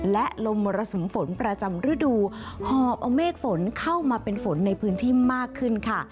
และลมมรสุมฝนประจำฤดูหอบเอาเมฆฝนเข้ามาเป็นฝนในพื้นที่มากขึ้นค่ะ